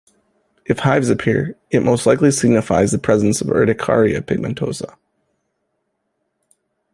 If hives appear, it most likely signifies the presence of urticaria pigmentosa.